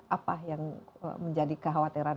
apa yang menjadi kekhawatiran